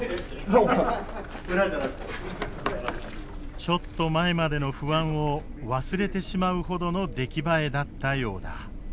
ちょっと前までの不安を忘れてしまうほどの出来栄えだったようだ。